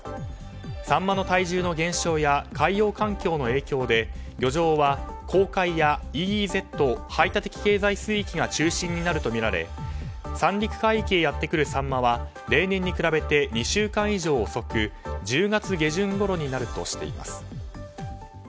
サンマの体重の減少や海洋環境の影響で漁場は公海やＥＥＺ・排他的経済水域が中心になるとみられ三陸海域へやってくるサンマは例年に比べて２週間以上遅く１０月下旬ごろになるとしています。